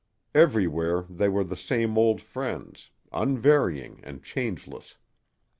Everywhere they were the same old friends, unvarying and changeless.